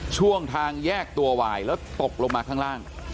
ช่วงทางแยกตัววายแล้วตกลงมาข้างล่าง